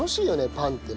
パンってね。